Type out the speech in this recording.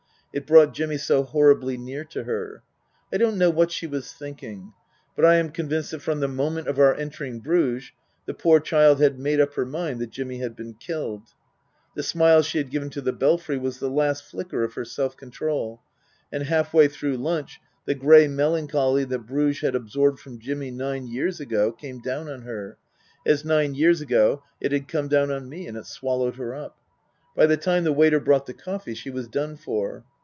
It brought Jimmy so horribly near to her. I don't know what she was thinking, but I am convinced that from the moment of our entering Bruges the poor child had made up her mind that Jimmy had been killed. The smile she had given to the Belfry was the last flicker of her self control, and halfway through lunch the grey melancholy that Bruges had absorbed from Jimmy nine years ago came down on her, as nine years ago it had come down on me, and it swallowed her up. By the time the waiter brought the coffee she was done for.